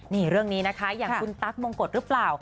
นี่เรื่องนี้นะคะอย่างคุณตั๊กมงกฎหรือเปล่า